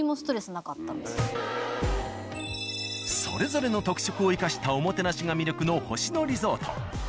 それぞれの特色を生かしたおもてなしが魅力の「星野リゾート」。